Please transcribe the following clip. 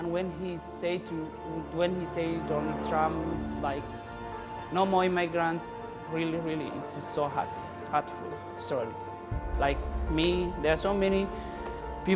ketika saya mendengar berita ini saya sangat terkejut